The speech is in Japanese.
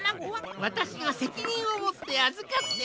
わたしがせきにんをもってあずかっておる。